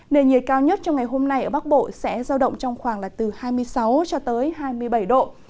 nền nhiệt cao nhất trong ngày hôm nay ở bắc bộ sẽ giao động trong khoảng hai mươi sáu hai mươi bảy độ